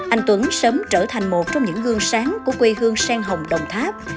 anh tuấn sớm trở thành một trong những gương sáng của quê hương sen hồng đồng tháp